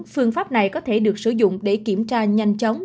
phương pháp này có thể được sử dụng để kiểm tra nhanh chóng